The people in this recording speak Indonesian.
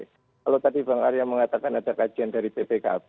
kalau tadi bang arya mengatakan ada kajian dari ppkp